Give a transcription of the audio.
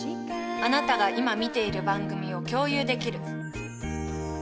あなたが今見ている番組を共有できる。